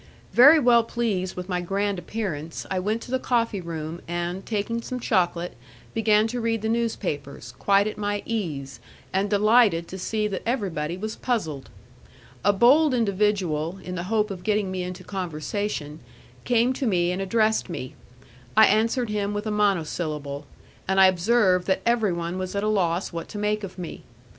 Very well pleased with my grand appearance, I went to the coffee room, and, taking some chocolate, began to read the newspapers, quite at my ease, and delighted to see that everybody was puzzled. A bold individual, in the hope of getting me into conversation, came to me and addressed me; I answered him with a monosyllable, and I observed that everyone was at a loss what to make of me.